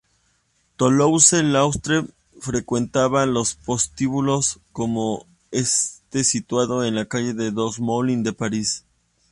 Toulouse-Lautrec frecuentaba los prostíbulos, como este situado en la calle des Moulins de París.